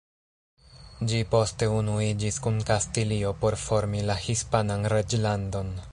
Ĝi poste unuiĝis kun Kastilio por formi la hispanan reĝlandon.